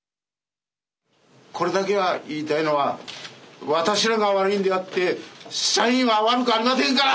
これだけは言いたいのは私らが悪いんであって社員は悪くありませんから！